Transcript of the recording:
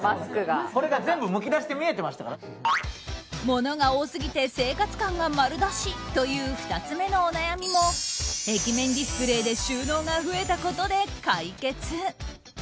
物が多すぎて生活感が丸出しという２つ目のお悩みも壁面ディスプレーで収納が増えたことで解決。